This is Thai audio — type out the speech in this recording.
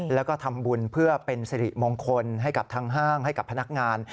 แล้วก็ทำบุญเพื่อเป็นสิริมงคลให้กับทางห้างให้กับพนักงาน